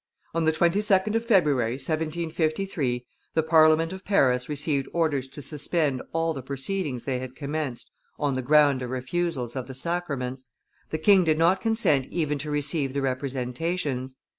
On the 22d of February, 1753, the Parliament of Paris received orders to suspend all the proceedings they had commenced on the ground of refusals of the sacraments; the king did not consent even to receive the representations.